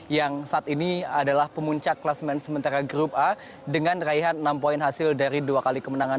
yang saat ini adalah pemuncak kelas main sementara grup a dengan raihan enam poin hasil dari dua kali kemenangan